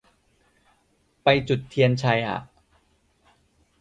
จะไปจุดเทียนชัยอ่ะ